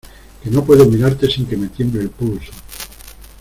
que no puedo mirarte sin que me tiemble el pulso.